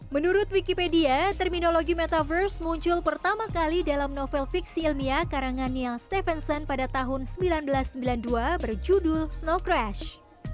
menurut wikipedia terminologi metaverse muncul pertama kali dalam novel fiksi ilmiah karanganiel stephenson pada tahun seribu sembilan ratus sembilan puluh dua berjudul snow crash